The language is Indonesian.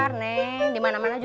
kamu ada apa ini